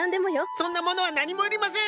そんなものは何も要りません！